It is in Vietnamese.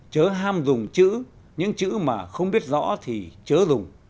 chớ ham dùng chữ những chữ mà không biết rõ thì chớ dùng